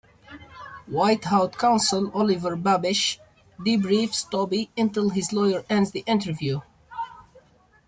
White House Counsel Oliver Babish debriefs Toby until his lawyer ends the interview.